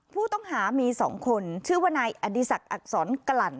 ผู้ต้องหามี๒คนชื่อว่านายอดีศักดิอักษรกลั่น